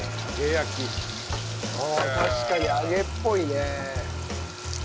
確かに揚げっぽいね。